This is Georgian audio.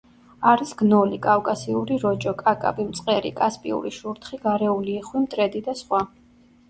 არის გნოლი, კავკასიური როჭო, კაკაბი, მწყერი, კასპიური შურთხი, გარეული იხვი, მტრედი და სხვა.